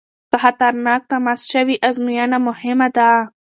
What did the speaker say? که خطرناک تماس شوی وي ازموینه مهمه ده.